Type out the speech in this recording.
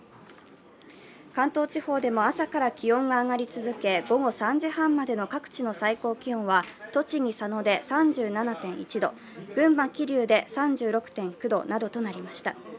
関東地方でも朝から気温が上がり続け、午後３時半までの各地の最高気温は栃木・佐野で３７．１度、群馬・桐生で３６．９度などとなりました。